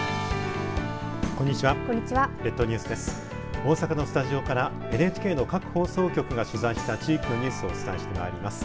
大阪のスタジオからＮＨＫの各放送局が取材した地域のニュースをお伝えしてまいります。